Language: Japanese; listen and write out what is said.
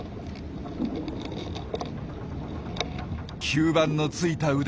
吸盤のついた腕。